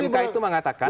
mka itu mengatakan